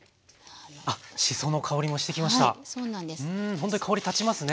ほんとに香り立ちますね。